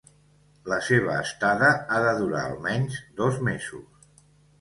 La seva estada ha de durar almenys dos mesos.